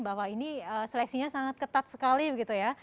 bahwa ini seleksinya sangat ketat sekali begitu ya